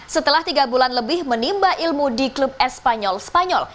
setelah tiga bulan lebih menimba ilmu di klub espanyol spanyol